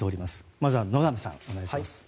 まずは、野上さんお願いします。